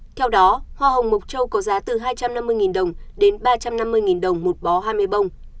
theo đó hoa hồng mộc châu có giá từ hai trăm năm mươi đồng đến ba trăm năm mươi đồng một bó hai mươi bông